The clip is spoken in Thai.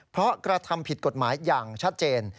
เพราะกระทำผิดกฎหมายอย่างชัดเจน